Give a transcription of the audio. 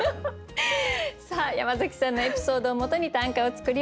さあ山崎さんのエピソードをもとに短歌を作りました。